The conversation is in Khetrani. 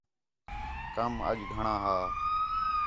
کم اَڄ گھݨاں ہا